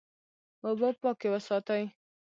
اوبه پاکې وساتئ.